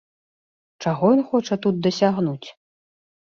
Чаго ён хоча тут дасягнуць?